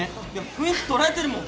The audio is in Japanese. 雰囲気捉えてるもん。